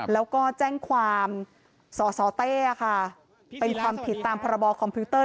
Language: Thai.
แล้วก็แจ้งความสสเต้ค่ะเป็นความผิดตามพรบคอมพิวเตอร์